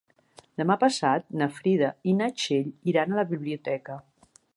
Demà passat na Frida i na Txell iran a la biblioteca.